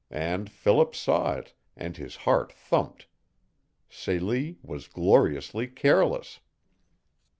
And Philip saw it, and his heart thumped. Celie was gloriously careless.